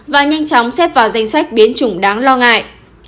và nhanh chóng xếp vào danh sách biến chủng đáng lo ngại